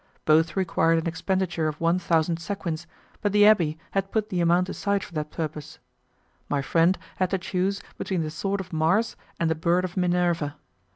Both required an expenditure of one thousand sequins, but the abbé had put the amount aside for that purpose. My friend had to choose between the sword of Mars and the bird of Minerva.